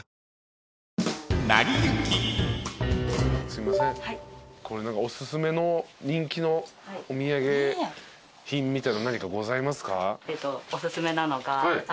すいませんおすすめの人気のお土産品みたいの何かございますか？